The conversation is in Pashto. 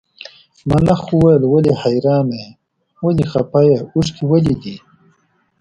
ملخ وویل ولې حیرانه یې ولې خپه یې اوښکي ولې دي.